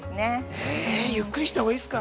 ◆ええっ、ゆっくりしたほうがいいですか。